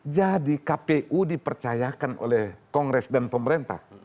jadi kpu dipercayakan oleh kongres dan pemerintah